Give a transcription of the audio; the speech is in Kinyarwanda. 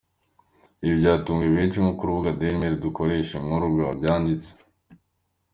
Iibi byatunguye benshi nk’uko urubuga Dailymail dukesha iyi nkuru rwabyanditse.